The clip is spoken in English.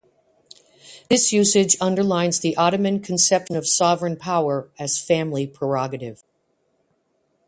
This usage underlines the Ottoman conception of sovereign power as family prerogative.